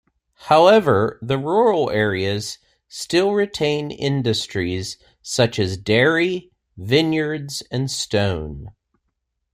However, the rural areas still retain industries such as dairy, vineyards, and stone.